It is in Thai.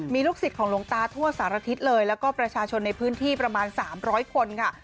มีลูกศิษย์ของหลวงตาทั่วสารทิศเลยแล้วก็ประชาชนในพื้นที่ประมาณ๓๐๐คนค่ะ